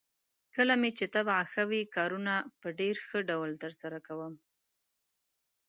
کله مې چې طبعه ښه وي، کارونه په ډېر ښه ډول ترسره کوم.